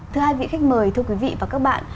thưa hai vị khách mời thưa quý vị và các bạn